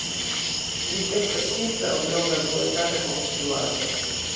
Ĝi estas simpla oblonga duetaĝa konstruaĵo.